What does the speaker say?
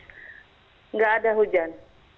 tidak ada hujan